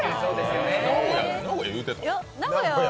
名古屋、言うてた？